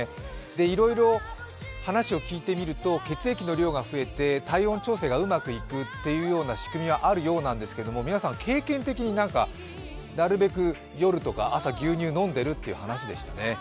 いろいろ話を聞いてみると、血液の量が増えて体温調整がうまくいくというような仕組みはあるようなんですけど皆さん、経験的になんかなるべく夜とか朝牛乳を飲んでるって話でしたね。